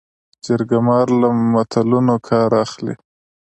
جرګه مار له متلونو کار اخلي